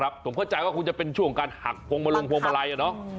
ผมเข้าใจว่าคุณจะเป็นช่วงการหักพงพลังมาลาย